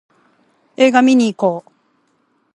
映画見にいこう